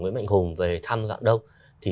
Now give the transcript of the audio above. nguyễn mạnh hùng về thăm dạng đông thì